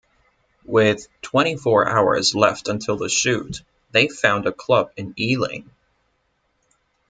With twenty-four hours left until the shoot, they found a club in Ealing.